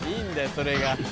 それが。